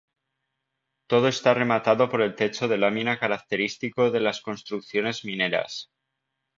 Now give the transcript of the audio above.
Todo esto rematado por el techo de lámina característico de las construcciones mineras.